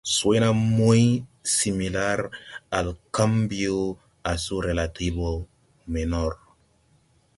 Suena muy similar al cambio a su relativa menor.